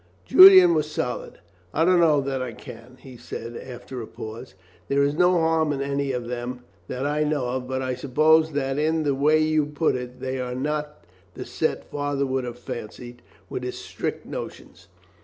Julian was silent. "I don't know that I can," he said after a pause. "There is no harm in any of them that I know of, but I suppose that in the way you put it, they are not the set father would have fancied, with his strict notions.